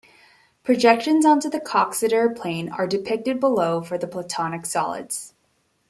Projections onto the Coxeter plane are depicted below for the Platonic solids.